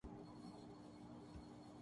گر وہ بہت زیادہ مایوس